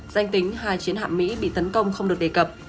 danh tính hai chiến hạm mỹ bị tấn công không được đề cập